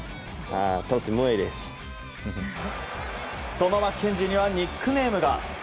そのマッケンジーにはニックネームが。